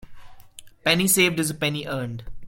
A penny saved is a penny earned.